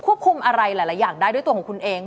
คุมอะไรหลายอย่างได้ด้วยตัวของคุณเอง